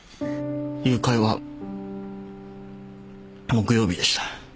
誘拐は木曜日でした。